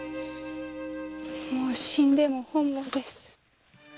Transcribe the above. もう死んでも本望です。